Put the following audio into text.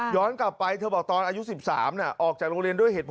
ย้อนกลับไปเธอบอกตอนอายุ๑๓อนอออกจากโรงเรียน